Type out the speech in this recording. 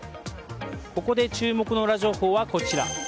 ここで、注目のウラ情報はこちら。